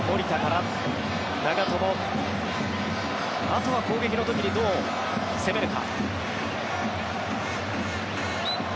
あとは攻撃の時にどう攻めるか。